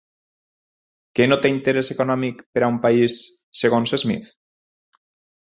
Què no té interès econòmic per a un país segons Smith?